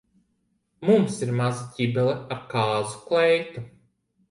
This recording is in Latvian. Mums ir maza ķibele ar kāzu kleitu.